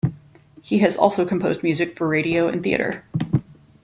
He has also composed music for radio and theatre.